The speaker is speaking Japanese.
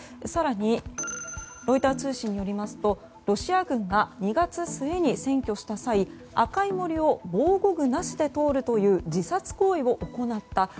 更に、ロイター通信によりますとロシア軍が２月末に占拠した際赤い森を防護具なしで通るという自殺行為を行った。